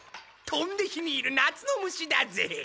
飛んで火に入る夏の虫だぜ。